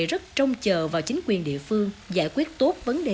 rất trông chờ vào chính quyền địa phương